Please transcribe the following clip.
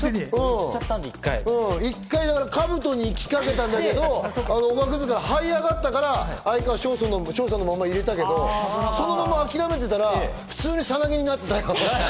１回、カブトに行きかけたんだけど、おがくずから這い上がったから哀川翔さんのままいられたけど、そのまま諦めてたら普通にサナギになってたよ。